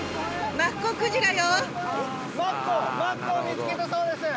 マッコウ、マッコウ見つけたそうです。